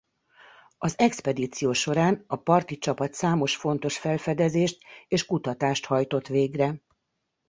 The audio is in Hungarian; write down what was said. Az expedíció során a parti csapat számos fontos felfedezést és kutatást hajtott végre.